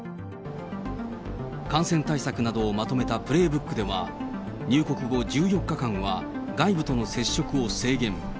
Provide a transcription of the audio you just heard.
感染対策などをまとめたプレイブックでは、入国後１４日間は外部との接触を制限。